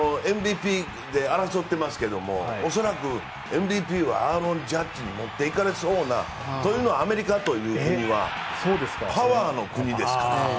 ＭＶＰで争っていますが恐らく、ＭＶＰはアーロン・ジャッジに持っていかれそうな。というのはアメリカという国はパワーの国ですからね。